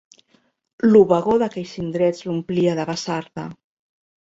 L'obagor d'aquells indrets l'omplia de basarda.